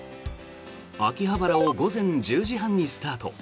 秋葉原を午前１０時半にスタート。